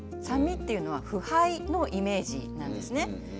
酸味っていうのは腐敗のイメージなんですね。